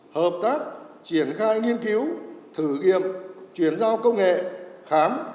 hợp tác triển khai nghiên cứu thử nghiệm chuyển giao công nghệ khám